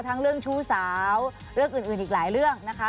เรื่องชู้สาวเรื่องอื่นอีกหลายเรื่องนะคะ